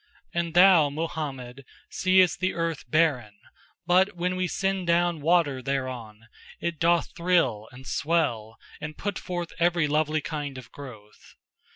And thou (Muhammad) seest the earth barren, but when We send down water thereon, it doth thrill and swell and put forth every lovely kind (of growth).